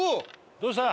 どうした？